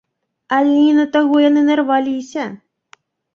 Але не на таго яны нарваліся.